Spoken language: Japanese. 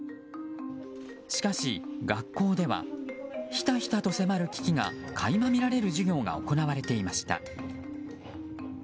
しかし、学校ではひたひたと迫る危機が垣間見られる授業が行われていました。